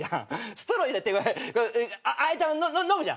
ストロー入れて開いた飲むじゃん。